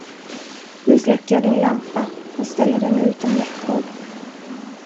Nu släcker jag din lampa och ställer den utom räckhåll.